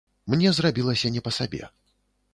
Мне зрабілася не па сабе.